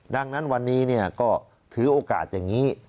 ดังนั้นวันนี้ก็ถือโอกาสอย่างนี้